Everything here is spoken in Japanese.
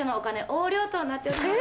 となっております。